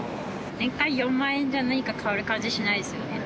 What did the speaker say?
年間４万円じゃ、何か変わる感じしないですよね。